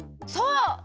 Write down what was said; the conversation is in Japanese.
そう！